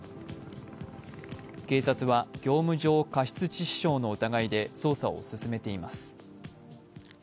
警察は、業務上過失致死傷の疑いで捜査を進めています。